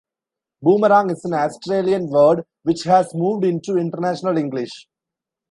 "Boomerang" is an Australian word which has moved into International English.